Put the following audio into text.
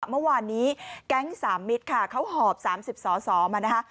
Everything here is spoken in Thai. เมื่อวานนี้แก๊งสามมิตรค่ะเขาหอบ๓๐สอสอมานะคะ